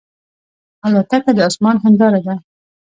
الوتکه د آسمان هنداره ده.